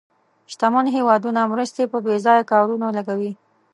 شتمن هېوادونه مرستې په بې ځایه کارونو لګوي.